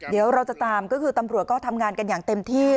เดี๋ยวเราจะตามก็คือตำรวจก็ทำงานกันอย่างเต็มที่